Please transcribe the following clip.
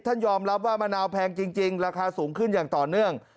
ยอมรับว่ามะนาวแพงจริงราคาสูงขึ้นอย่างต่อเนื่อง